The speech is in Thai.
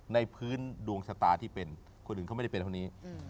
พื้นดวงชะตาที่เป็นคนอื่นเขาไม่ได้เป็นเท่านี้